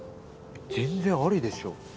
全然ありでしょ